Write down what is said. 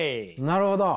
なるほど。